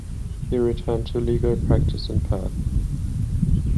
He returned to legal practice in Perth.